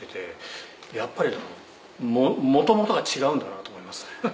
「やっぱりもともとが違うんだなと思いますね」